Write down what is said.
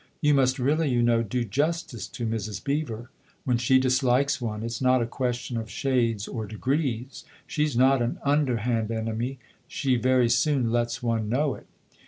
" You must really, you know, do justice to Mrs. Beever. When she dislikes one it's not a question of shades or degrees. She's not an underhand enemy she very soon lets one know it."